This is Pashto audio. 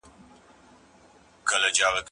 پر اسمان یې د پردیو غوبل جوړ دی